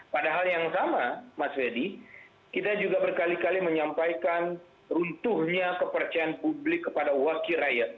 padahal yang sama mas fedy kita juga berkali kali menyampaikan runtuhnya kepercayaan publik kepada wakil rakyat